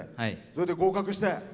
それで合格して。